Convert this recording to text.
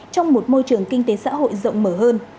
trong một môi trường kinh tế xã hội rộng mở hơn